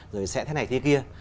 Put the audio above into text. rồi sẽ thế này thế kia